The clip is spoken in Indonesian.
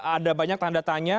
ada banyak tanda tanya